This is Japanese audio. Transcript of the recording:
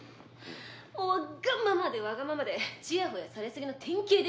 「もうわがままでわがままでちやほやされすぎの典型でしたよ